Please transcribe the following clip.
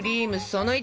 その１。